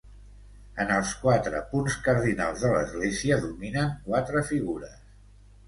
En els quatre punts cardinals de l'església dominen quatre figures.